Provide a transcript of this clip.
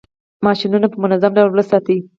ماشینونه په منظم ډول وساتئ.